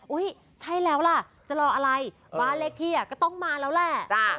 ใช่แล้วล่ะจะรออะไรบ้านเลขที่ก็ต้องมาแล้วแหละ